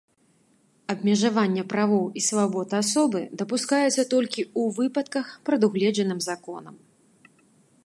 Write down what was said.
Абмежаванне правоў і свабод асобы дапускаецца толькі ў выпадках, прадугледжаных законам.